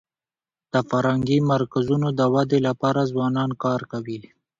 د فرهنګي مرکزونو د ودي لپاره ځوانان کار کوي.